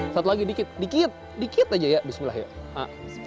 satu lagi dikit dikit dikit aja ya bismillah ya